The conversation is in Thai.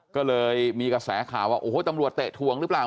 ก็เลยมีกระแสข่าวว่าโอ้โหตำรวจเตะถวงหรือเปล่า